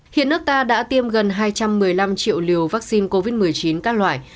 hiện nước ta đã tiêm gần hai trăm một mươi năm triệu liều vaccine covid một mươi chín các loại